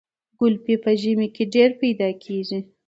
ګلپي په ژمي کې ډیر پیدا کیږي.